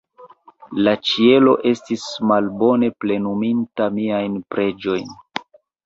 La Ĉielo estis malbone plenuminta miajn preĝojn.